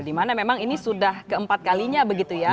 dimana memang ini sudah keempat kalinya begitu ya